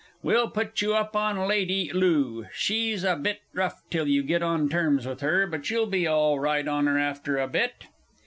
We'll put you up on Lady Loo; she's a bit rough till you get on terms with her, but you'll be all right on her after a bit.